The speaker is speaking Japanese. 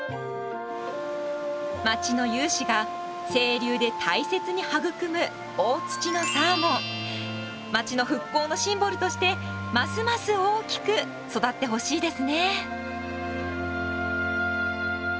町の有志が清流で大切に育む大のサーモン町の復興のシンボルとしてますます大きく育ってほしいですね。